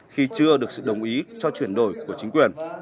khi chưa được sự đồng ý cho chuyển đổi của chính quyền